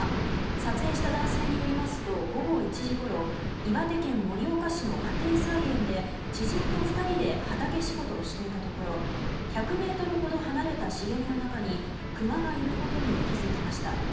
撮影した男性によりますと午後１時ごろ岩手県盛岡市の家庭菜園で知人と２人で畑仕事をしていたところ１００ｍほど離れた茂みの中にクマがいることに気づきました。